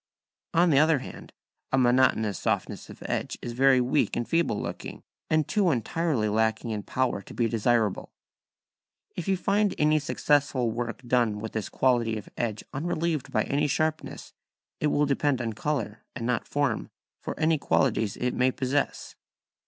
On the other hand, a monotonous softness of edge is very weak and feeble looking, and too entirely lacking in power to be desirable. If you find any successful work done with this quality of edge unrelieved by any sharpnesses, it will depend on colour, and not form, for any qualities it may possess.